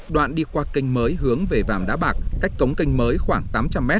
đoạn đi qua cành mới hướng về vàm đá bạc cách cống cành mới khoảng tám trăm linh m